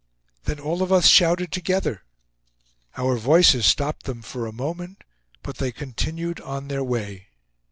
Then all of us shouted together. Our voices stopped them for a moment, but they continued on their way.